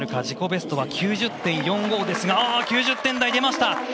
自己ベストは９０．４５ですが９０点台、出ました！